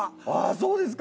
そうですか。